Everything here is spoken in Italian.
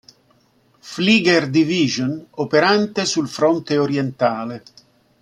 Flieger-Division operante sul fronte orientale.